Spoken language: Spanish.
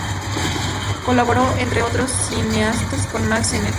Colaboró, entre otros cineastas, con Mack Sennett.